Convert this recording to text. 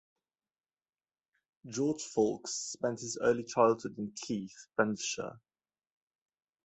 George Foulkes spent his early childhood in Keith, Banffshire.